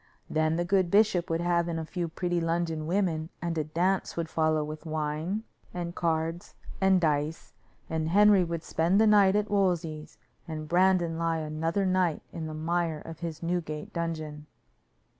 Then the good bishop would have in a few pretty London women and a dance would follow with wine and cards and dice, and Henry would spend the night at Wolsey's, and Brandon lie another night in the mire of his Newgate dungeon.